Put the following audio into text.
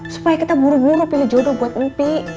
supaya kita buru buru pilih jodoh buat mimpi